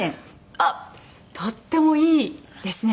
あっとってもいいですね。